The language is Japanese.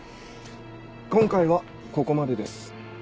今回はここまでです。